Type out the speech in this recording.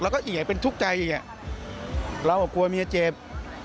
เราก็กลัวว่าเมียเจ็บ